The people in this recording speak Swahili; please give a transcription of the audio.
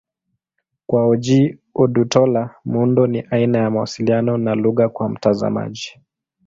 Kwa Ojih Odutola, muundo ni aina ya mawasiliano na lugha kwa mtazamaji.